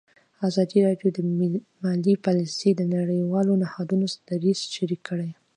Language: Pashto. ازادي راډیو د مالي پالیسي د نړیوالو نهادونو دریځ شریک کړی.